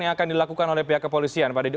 yang dilakukan oleh pihak kepolisian pada di